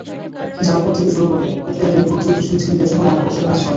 জাল ভোট থেকে শুরু করে ভোটকেন্দ্রের ভোটযন্ত্র ছিনতাইসহ নানা কৌশলের আশ্রয় নেয়।